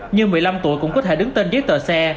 như một mươi năm tuổi cũng có thể đứng tên viết tờ xe